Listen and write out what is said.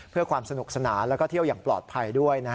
เพื่อความสนุกสนานแล้วก็เที่ยวอย่างปลอดภัยด้วย